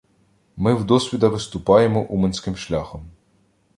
Ми вдосвіта виступаємо уманським шляхом.